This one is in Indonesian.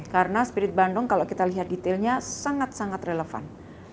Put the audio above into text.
karena spirit bandung kalau kita lihat detailnya sangat sangat relevan